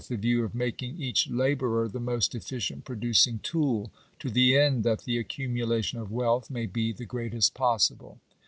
the view of making each labourer the most efficient producing tool, to the end that the accumulation of wealth may be the greatest possible.